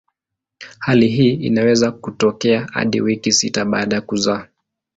Hali hii inaweza kutokea hadi wiki sita baada ya kuzaa.